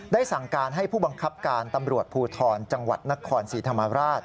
สั่งการให้ผู้บังคับการตำรวจภูทรจังหวัดนครศรีธรรมราช